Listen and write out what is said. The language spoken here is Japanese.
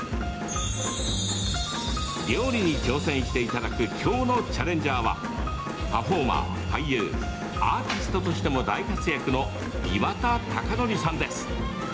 料理に挑戦していただく今日のチャレンジャーはパフォーマー、俳優アーティストとしても大活躍の岩田剛典さんです。